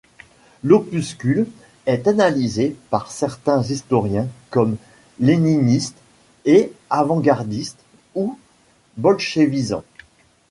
L'opuscule est analysé par certains historiens comme léniniste et avant-gardiste ou bolchevisant.